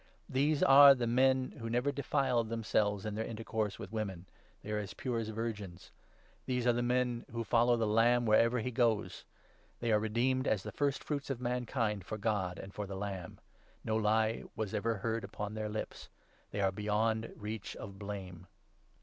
These are the men who never defiled 4 themselves in their intercourse with women ; they are as pure as virgins. These are the men who follow the Lamb wherever he goes. They were redeemed as the first fruits of mankind for God and for the Lamb. ' No lie was ever heard upon 5 their lips.' They are beyond reach of blame.